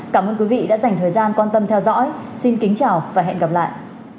cảm ơn quý vị đã dành thời gian quan tâm theo dõi xin kính chào và hẹn gặp lại